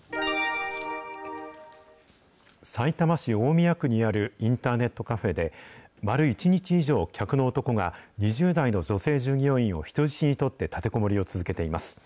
さいたま市大宮区にあるインターネットカフェで、丸１日以上、客の男が、２０代の女性従業員を人質に取って、立てこもりを続けています。